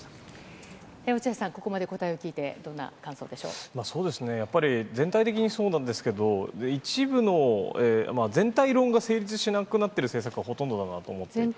落合さん、ここまで答えを聞そうですね、やっぱり全体的にそうなんですけど、一部の、全体論が成立しなくなってる政策がほとんどだなと思っていて。